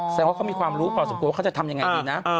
แสดงว่าเขามีความรู้พอสมควรว่าเขาจะทำยังไงดีนะ